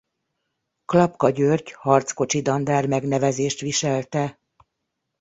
Klapka György Harckocsi Dandár megnevezést viselte.